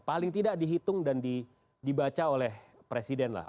paling tidak dihitung dan dibaca oleh presiden lah